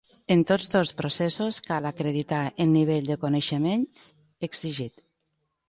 En tots dos processos cal acreditar el nivell de coneixements exigit.